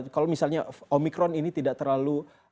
kalau misalnya omikron ini tidak terlalu